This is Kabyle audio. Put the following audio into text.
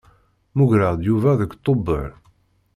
Mugreɣ-d Yuba deg Tuber.